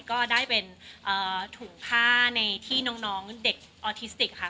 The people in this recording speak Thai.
ก็ได้เป็นถุงผ้าในที่น้องเด็กออทิสติกค่ะ